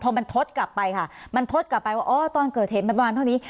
พอมันทดกลับไปค่ะมันทดกลับไปว่าอ๋อตอนเกิดเหตุมันประมาณเท่านี้